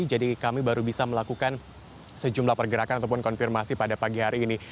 jadi kami baru bisa melakukan sejumlah pergerakan ataupun konfirmasi pada pagi hari ini